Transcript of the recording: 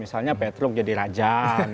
misalnya petruk jadi raja